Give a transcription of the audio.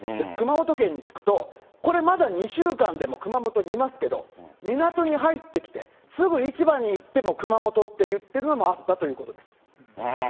熊本県に聞くと、これまだ、２週間でも熊本にいますけど、港に入ってきて、すぐ市場に行っても熊本って言ってるのもあったということです。